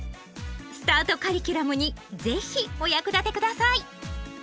スタートカリキュラムに是非お役立てください。